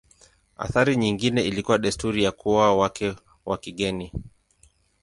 Athari nyingine ilikuwa desturi ya kuoa wake wa kigeni.